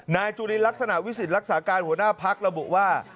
นายจุลินลักษณะวิสิตรักษาการหัวหน้าพักระบุว่า